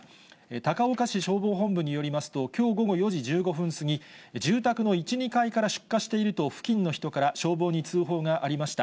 高岡市消防本部によりますと、きょう午後４時１５分過ぎ、住宅の１、２階から出火していると、付近の人から消防に通報がありました。